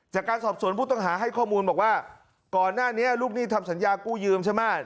จากการสอบสวนผู้ต้องหาให้ข้อมูลบอกว่าก่อนหน้านี้ลูกหนี้ทำสัญญากู้ยืมใช่ไหม